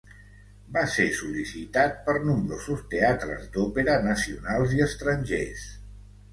Va ser sol·licitat per nombrosos teatres d'òpera nacionals i estrangers.